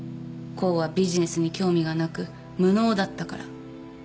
コウはビジネスに興味がなく無能だったから。